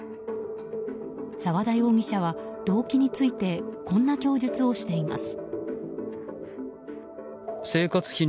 沢田容疑者は動機についてこんな供述をしています。